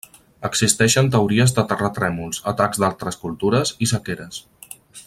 Existeixen teories de terratrèmols, atacs d'altres cultures i sequeres.